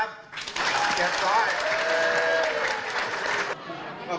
เราก็เลือกมาดีถ้าเลือกได้ก็เป็น